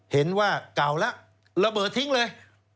เห็นว่าเก่าแล้วระเบิดทิ้งเลย